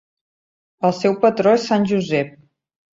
El seu patró és sant Josep.